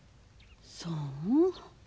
そう。